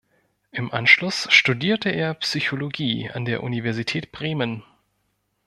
Im Anschluss studierte er Psychologie an der Universität Bremen.